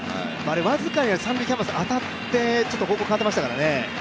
僅かに三塁に当たって、ちょっと方向が変わっていましたからね。